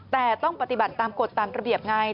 แต่ต้องปฏิบัติตามกฎตามระเบียบไง